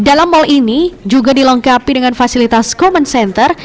dalam mal ini juga dilengkapi dengan fasilitas common center